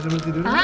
sambil tiduran ya